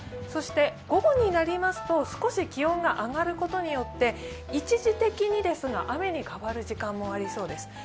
そして午後になりますと、少し気温が上がることによって一時的にですが、雨に変わる時間もありそうです。